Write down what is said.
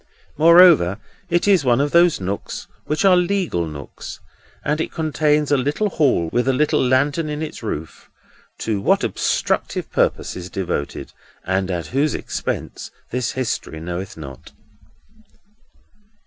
Moreover, it is one of those nooks which are legal nooks; and it contains a little Hall, with a little lantern in its roof: to what obstructive purposes devoted, and at whose expense, this history knoweth not.